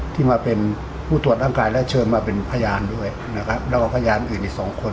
ที่มาเป็นผู้ตรวจร่างกายและเชิญมาเป็นพยานด้วยนะครับแล้วก็พยานอื่นอีกสองคน